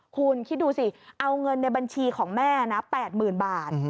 คุณคิดดูสิเอาเงินในบัญชีของแม่นะ๘๐๐๐บาท